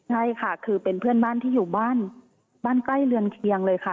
ใช่ค่ะคือเป็นเพื่อนบ้านที่อยู่บ้านบ้านใกล้เรือนเคียงเลยค่ะ